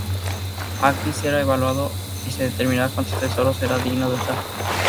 Aquí será evaluado y se determinará cuántos tesoros será digno de usar.